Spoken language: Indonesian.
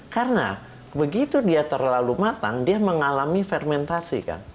karena begitu dia terlalu matang dia mengalami fermentasi